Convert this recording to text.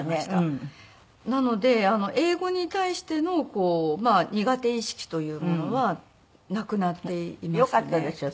なので英語に対しての苦手意識というものはなくなっていますね。